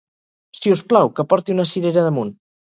Si us plau, que porti una cirera damunt!